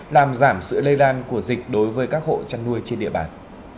làm giảm sự lây lan của dịch đối với các hộ chăn nuôi trên địa bàn